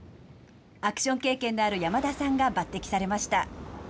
アクション経験のある山田さんが抜てきされました。